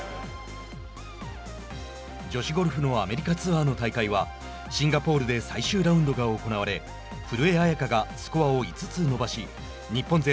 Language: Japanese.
女子ゴルフのアメリカツアーの大会はシンガポールで最終ラウンドが行われ古江彩佳がスコアを５つ伸ばし日本勢